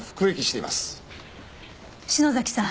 篠崎さん